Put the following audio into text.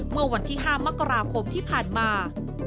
เมื่อวันที่๕มกราคมที่ผ่านมา